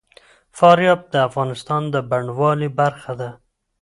فاریاب د افغانستان د بڼوالۍ برخه ده.